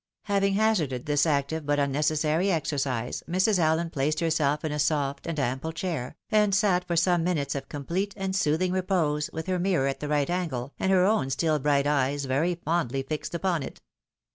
Having hazarded this active, but unnecessary exercise, Mrs. Allen placed herself in a soft and ample chair, and sat for some minutes of complete and soothing repose, with her mirror at the right angle, and her own still bright eyes very fondly fixed upon it.